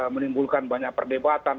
menimbulkan banyak perdebatan